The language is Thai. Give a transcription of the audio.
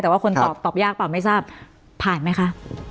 แต่ว่าคนตอบตอบยากเปล่าไม่ทราบผ่านไหมคะ